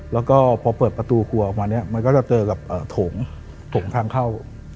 แล้วก็พอเปิดประตูครัวออกมาเนี่ยมันก็จะเจอกับโถงทางเข้า